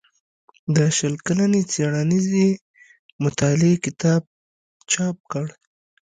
د شل کلنې څيړنيزې مطالعې کتاب چاپ کړ